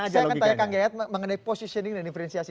saya akan tanya kang yayat mengenai positioning dan diferensiasi